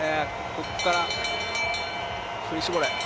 ここから振り絞れ！